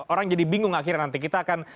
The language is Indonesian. orang jadi bingung akhirnya nanti kita akan